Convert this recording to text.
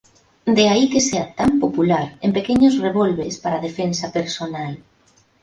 De ahí que sea tan popular en pequeños revólveres para defensa personal.